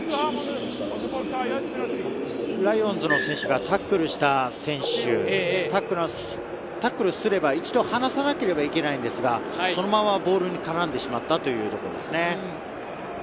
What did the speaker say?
ライオンズの選手がタックルした選手、タックルすれば一度離さなければいけないんですが、その間はボールに絡んでしまったというところですね。